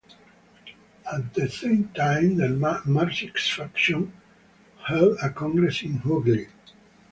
At the same time the Marxist faction held a congress in Hooghly.